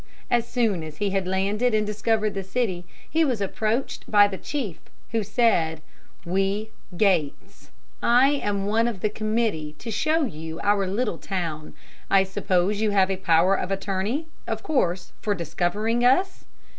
As soon as he had landed and discovered the city, he was approached by the chief, who said, "We gates. I am one of the committee to show you our little town. I suppose you have a power of attorney, of course, for discovering us?"